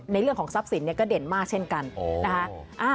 เรื่องของทรัพย์สินก็เด่นมากเช่นกันนะคะ